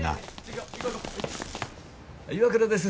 岩倉です。